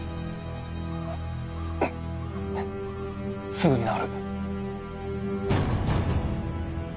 すぐに直る。